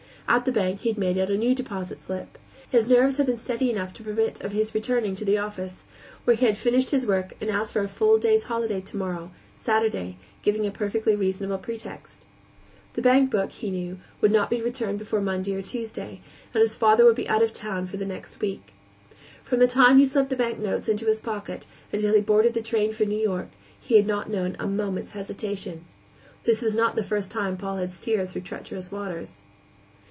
At the bank he had made out a new deposit slip. His nerves had been steady enough to permit of his returning to the office, where he had finished his work and asked for a full day's holiday tomorrow, Saturday, giving a perfectly reasonable pretext. The bankbook, he knew, would not be returned before Monday or Tuesday, and his father would be out of town for the next week. From the time he slipped the bank notes into his pocket until he boarded the night train for New York, he had not known a moment's hesitation. It was not the first time Paul had steered through treacherous waters.